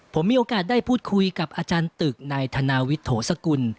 ผมมีโอกาสได้พูดคุยกับอาจารย์ตึกนายธนาวิทย์โถสกุล